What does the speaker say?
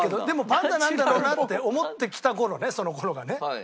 でもパンダなんだろうなって思ってきた頃ねその頃がね。